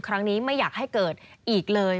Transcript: ครั้งนี้ไม่อยากให้เกิดอีกเลย